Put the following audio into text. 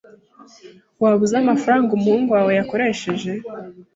Waba uzi amafaranga umuhungu wawe yakoresheje?